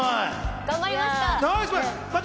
頑張りました。